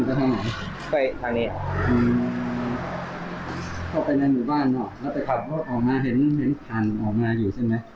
เข้าไปในหมู่บ้านเนอะแล้วเขาก็ออกมาเห็นออกมาอยู่ใช่ไหม